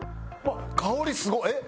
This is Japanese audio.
香りすごっ！